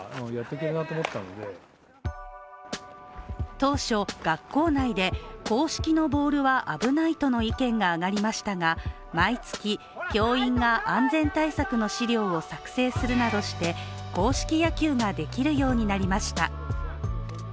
当初、学校内で硬式のボールは危ないとの意見が上がりましたが毎月、教員が安全対策の資料を作成するなどして硬式野球ができるようになりました。